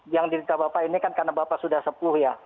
yang dirita bapak ini kan karena bapak sudah sepuh ya